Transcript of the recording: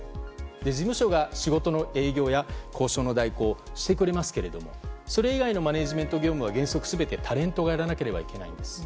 事務所が仕事の営業や交渉の代行をしてくれますがそれ以外のマネジメント業務は原則全てタレントがやらなくてはいけないんです。